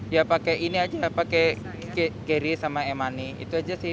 ya pakai ini aja nggak pakai carry sama e money itu aja sih